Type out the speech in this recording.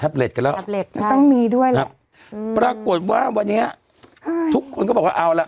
เล็ตกันแล้วต้องมีด้วยแล้วอืมปรากฏว่าวันนี้ทุกคนก็บอกว่าเอาล่ะ